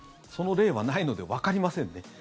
その例はないのでわかりませんね。